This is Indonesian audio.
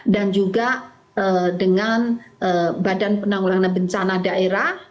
dan juga dengan badan penanggulangan bencana daerah